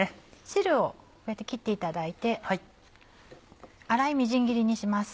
汁をこうやって切っていただいて粗いみじん切りにします。